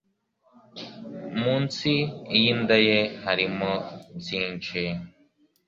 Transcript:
munsi iyinda ye harimo byinshi